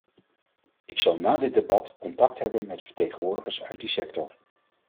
Ik zal na dit debat contact hebben met vertegenwoordigers uit die sector.